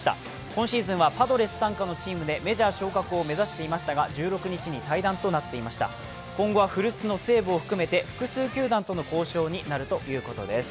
今シーズンはパドレス傘下のチームでメジャー昇格を目指していましたが１６日に退団となっていました、今後は古巣の西武を含めて複数球団との交渉になるということです。